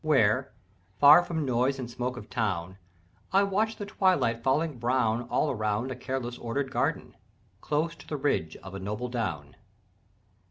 "Where, far from noise and smoke of town, I watch the twilight falling brown All around a careless ordered garden, Close to the ridge of a noble down."